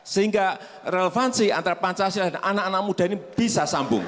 sehingga relevansi antara pancasila dan anak anak muda ini bisa sambung